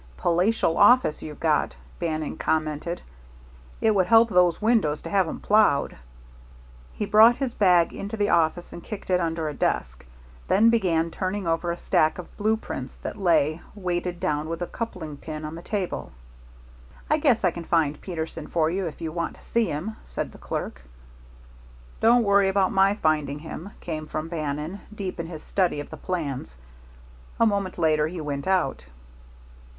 "Palatial office you've got," Bannon commented. "It would help those windows to have'em ploughed." He brought his bag into the office and kicked it under a desk, then began turning over a stack of blue prints that lay, weighted down with a coupling pin, on the table. "I guess I can find Peterson for you if you want to see him," said the clerk. "Don't worry about my finding him," came from Bannon, deep in his study of the plans. A moment later he went out.